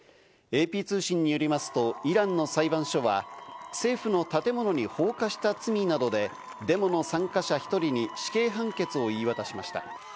ＡＰ通信によりますとイランの裁判所は、政府の建物に放火した罪などでデモの参加者１人に死刑判決を言い渡しました。